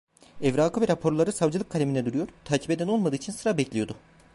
Evrakı ve raporları savcılık kaleminde duruyor, takip eden olmadığı için sıra bekliyordu.